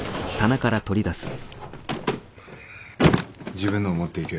自分のを持っていけ。